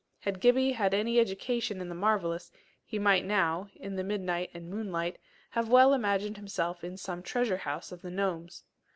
Had Gibbie had any education in the marvellous, he might now, in the midnight and moonlight, have well imagined himself in some treasure house of the gnomes.